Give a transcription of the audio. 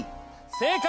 正解！